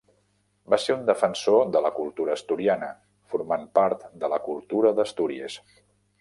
Va ser un defensor de la cultura asturiana formant part de la cultura d'Astúries.